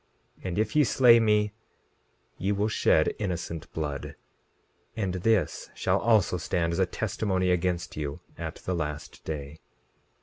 And if ye slay me ye will shed innocent blood, and this shall also stand as a testimony against you at the last day.